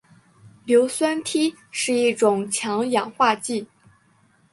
硫酸锑是一种强氧化剂。